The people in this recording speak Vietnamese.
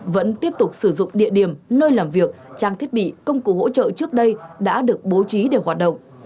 vẫn tiếp tục sử dụng địa điểm nơi làm việc trang thiết bị công cụ hỗ trợ trước đây đã được bố trí để hoạt động